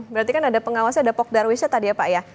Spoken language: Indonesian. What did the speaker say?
berarti kan ada pengawasnya ada pok darwisnya tadi ya pak ya